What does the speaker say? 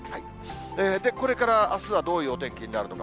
で、これからあすはどういうお天気になるのか。